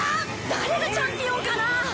誰がチャンピオンかな？